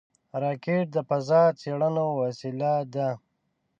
راکټ د فضا څېړنو وسیله ده